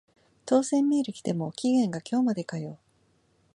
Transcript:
当選メール来ても期限が今日までかよ